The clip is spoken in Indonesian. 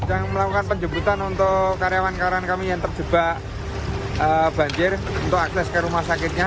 sedang melakukan penjemputan untuk karyawan karyawan kami yang terjebak banjir untuk akses ke rumah sakitnya